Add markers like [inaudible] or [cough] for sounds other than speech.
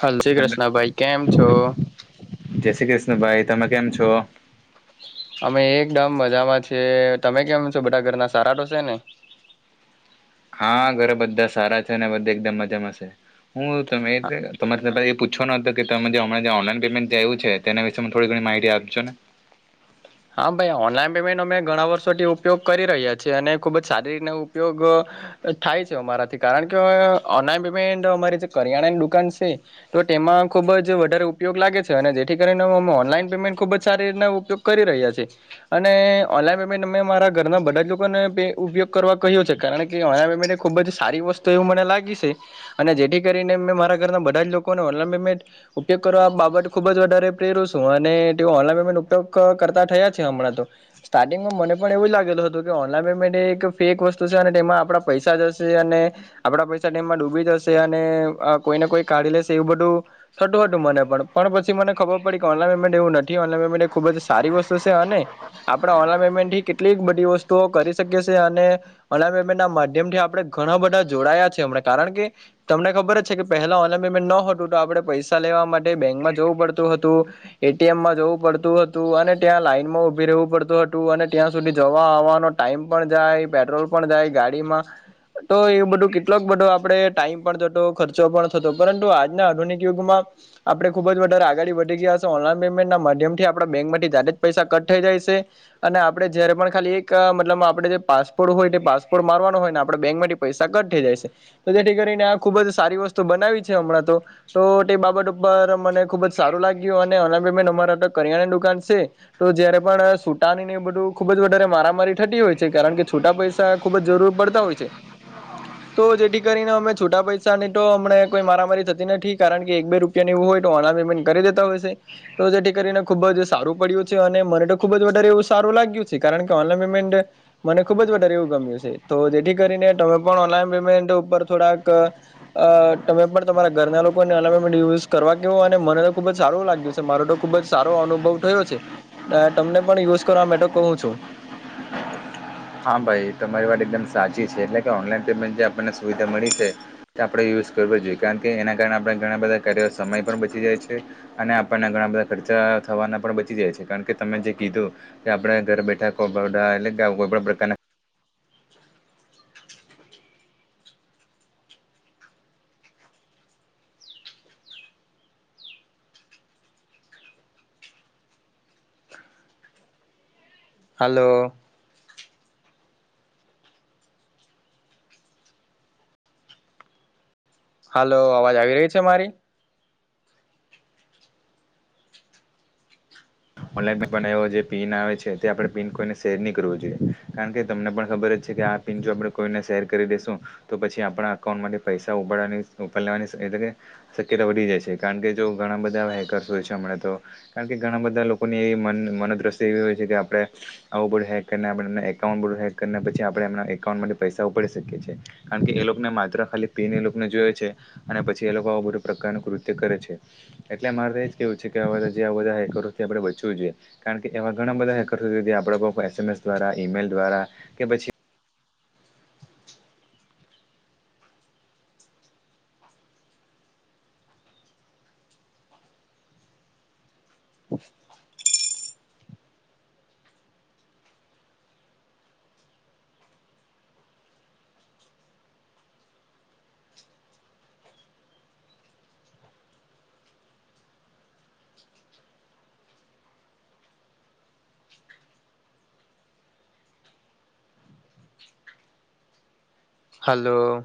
હલ શ્રી અ ધ કૃષ્ણભાઈ કેમ છો જય શ્રી કૃષ્ણભાઈ તમે કેમ છો અમે એકદમ મજામાં છએ તમે કેમ છો બધા ઘરના સારા તોસે ને [inaudible] હા ઘરે બધા સારા છે અને બધા એકદમ મજામાંશે હું તમે તમા પૂછો ન હતો કે તમે જે હમણાં ઓનલાઈન પેમેન્ટ જેું છે તેના વિશે થોડી ઘણી માહિતી આપજો ને હા ભાઈ ઓનલાઈન પેમેન્ટ અમે ઘણા વર્ષોથી ઉપયોગ કરી રહ્યા છીએ અને ખુબ જ સારી રીતનો ઉપયોગ થાય છે અમારાથી કારણ કે અ ઓનલાઈન પેમેન્ટ અમારી જે કરિયાણાની દુકાન છે તો તેમાં ખૂબ જ વધારે ઉપયોગ લાગે છે અને જેથી કરીને અમે ઓનલાઈન પેમેન્ટ ખૂબ જ સારી રીના ઉપયોગ કરી રહ્યા છીએ અને ઓનલાઈન પેમેન્ટ અમે મારા ઘરના બધા જ લોકોને પે ઉપયોગ કરવા કહ્યો છે કારણ કે હને ખુબ જ સારી વસ્તુ એવું મને લાગી છે અને જેથી કરીને મે મારા ઘરના બધા જ લોકો લોકો ઓ પેમેન્ટ ઉપયોગ કરો આ બાબત ખુબ જ વધારે પ્રેરું છું અને તે ઓનલાન પેમેન્ટ ઉપયોગ કરતા થયા છે હમણાં તો સ્ટાર્ટિંગમાં મને પણ એવું લાગેલ હતું કે ઓનલાન પેમેન્ટ એક ફેક વસ્તુ તેમાં આપડા પૈસા જશે અને આપડા પૈસા તેમમાં ડૂબી જશે અને અ કોઈને કોઈ કાઢી એવું બધું થતું હતું મને પણછી મને ખબર પડી કે ઓનલાન પેમેન્ટ એવુ નથીમે ખુબ જ સારી વસ્તુ છે અને આપણે ઓનલાઈન પેમેન્ટથી કેટલીક બધી વસ્તુઓ કરી શકીએ અને ઓન ના માધ્યમથી આપણે ઘણા બધા જોડાયા છેમ કારણ કે તમને ખબર જ છે કે પહેલા ઓ મેન્ટ ન હતું તો આપડણે પૈસા લેવા માટે બેંકમાં જવું પડતું હતું એટીએમમાં જવું પડતું હતું અને ત્યાં લાઈન માં ઉભી રહેવું પડતું હતું અને ત્યાં સુધી જવા આવવાનો ટાઈમ પણ જાય પહે પેટ્રોલ પણ જાય ગાડીમાં તો એવું બધું કેટલોક બધો આપણેે ટાઈમ પણ થતો ખર્ચો પણ થતો પરંતુ આજના આધુનિક યુગમાં આપડે ખુબ જ વધારે આગળડી વધી ગયા ઓનલાન પેમેન્ટ ના માધ્યમથી આપ આપ બેંકમાંથી જ જ પૈસા કટ થઈ જાય છે અને આપડે જયારે પણ ખાલી એક મતલબ આપે જે પાસપોર્ટ પાસપોર્ટ મારવાનો હોય ને આપ બેંકમાંથી પૈસા કટ થઈ જાય છે તો જેથી કરીને આ ખુબ જ સારી વસ્તુ બનાવી હમણાં તો તે બાબત ઉપર મને ખુબ જ સારું લાગ્યું અને કરિયાની દુકાન છે તો જયારે પણ સુતાની ને એ બધું ખુબ જ વધારે મારામારી થતી હોય છે કારણ કે છુટા પૈસા ખુબ જ જરૂર પડતા હોય છે. તો જેથી કરીને અમે છોટા પૈસા ની તો અમને કોઈ મારામારી થતી નથી કારણ કે એક બે રૂપિયા એવું હો [inaudible] પેમેન્ટ કરી દેતા હોયશે તો જેથી કરીને ખુબ જ સારું પડ્યું છે અને મને તો ખુબ જ વધારે એવું સારું લાગ્યું છે. કારણ કે ઓનલાન પેમેન્ટ મને ખુબ જ એવું ગમ્યું છે. તો જેથી કરીને તમે પણ ઓનલાઈન પેમેન્ટ ઉપર થોડાક અ તમે પણ તમારા ઘરના લોકોને [unintelligible] અલ યુઝ કરવા કેવો અને મને તો ખુબ જ સારું લાગ્યું છે. મારું તો ખુબ જ સારો અનુભવ થયો છે. અ તમને પણ યુઝ કરવા માટે કહું છું. હા ભાઈ, તમારી વાત એકદમ સાચી છે એટલે કે ઓનલાન પેમેન્ટ જે આપણને સુવિધા મળી છે તે આપણે યુઝ કરવો જોઈ. કારણકે એના કારણે આપણા બધા સમય પણ બચી જાય છે અને આપ ઘણા બધા ખર્ચા થવાના પણ બચી જાય છે. કારણ કે તમે જે કીધું કે આપડે ઘર બેઠા [unintelligible] કને હાલો. હાલો અવાજ આવી રહી છે મારી? ઓનલાઈન પણ એ જે પીન આવે છે તે આપણે પિન કોઈને શેર નહી કરવો જોઈએ. કારણ કે તમને પણ ખબર જ કે આ પિન જો આપણે કોઈને શેર કરી દેેશું તો પછી આપણા અકાઉન્ટ માથી પૈસા ઉપડવાની ઉપડ લેવાની શક્યતા વધી જાય છે. કારણ કે જો ઘણા બધા હેકર્સ હોય છે હમણાં તો કારણ કે ઘણા બધા લોકો લોકો ની એવી મનો મનોદ્રષિ એવી હોય છે કે આપણે આવું બધું હેક કરીને આપણે એકાઉન્ટ બું હેક કરીને પછી આપણે એકાઉન્ટ માંથી પૈસા ઉપાડી શકે છે કારણ એ લોકોને માત્ર ખાલી પીન એ લોકોને જોય છે અને પછી એ લોકો આ બધું પ્રકારનું કૃત્ય કરે છે. એટલે મારે તો એ જ કેહેવું છે કે આ જે આ બધા હેકરો થી આપડે બચવું જોઈએ. કારણ કે એવા ઘણા બધા હે આપ એસ એમ એસ દ્વારા, ઈમેલ દ્વારા કે પછી હાલો.